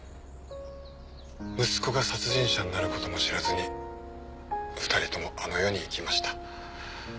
息子が殺人者になることも知らずに２人ともあの世に行きました。